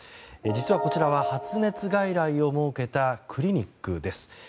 実は、こちらは発熱外来を設けたクリニックです。